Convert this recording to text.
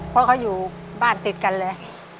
เพราะเขาอยู่บ้านติดกันเลย